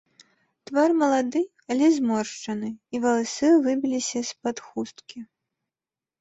Твар малады, але зморшчаны, і валасы выбіліся з-пад хусткі.